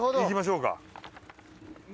行きましょうか。